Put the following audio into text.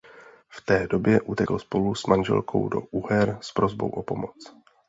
V té době utekl spolu s manželkou do Uher s prosbou o pomoc.